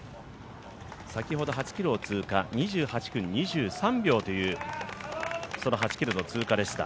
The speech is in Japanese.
先ほど８ｋｍを通過、２８分２３秒という通過でした。